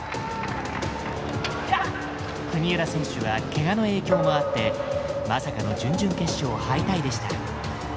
国枝選手は怪我の影響もあってまさかの準々決勝敗退でした。